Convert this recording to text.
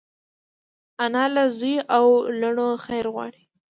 انا له زوی او لوڼو خیر غواړي